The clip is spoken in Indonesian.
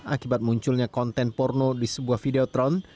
akibat munculnya konten porno di sebuah videotron